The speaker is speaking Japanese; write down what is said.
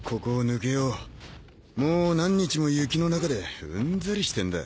もう何日も雪の中でうんざりしてんだ